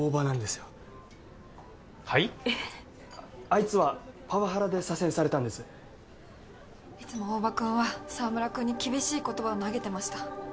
あいつはパワハラで左遷されたんですいつも大庭君は沢村君に厳しい言葉を投げてました